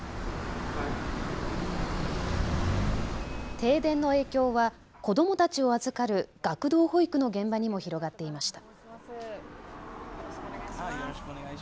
停電の影響は子どもたちを預かる学童保育の現場にも広がっていました。